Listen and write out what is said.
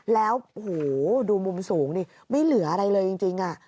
แล้วโอ้โหดูมุมสูงนี่ไม่เหลืออะไรเลยจริง